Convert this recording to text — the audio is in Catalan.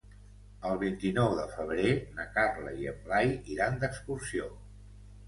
El vint-i-nou de febrer na Carla i en Blai iran d'excursió.